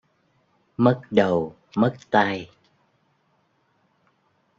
mất đầu, mất tay